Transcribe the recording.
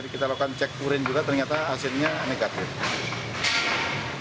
kalau kan cek urin juga ternyata hasilnya negatif